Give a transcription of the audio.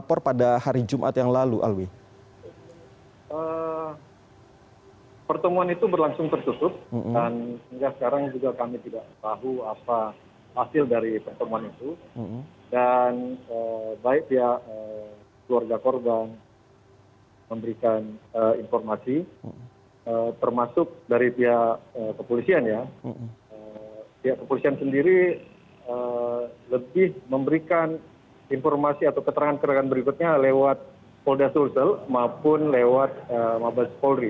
pihak kepolisian sendiri lebih memberikan informasi atau keterangan keterangan berikutnya lewat folder social maupun lewat mabat folder